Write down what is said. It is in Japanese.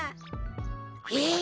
え？